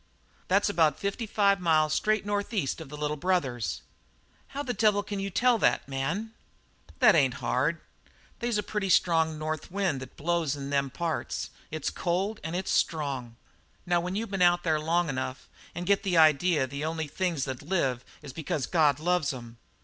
"That's about fifty five miles straight north east of the Little Brothers." "How the devil can you tell that, man?" "That ain't hard. They's a pretty steady north wind that blows in them parts. It's cold and it's strong. Now when you been out there long enough and get the idea that the only things that live is because God loves 'em.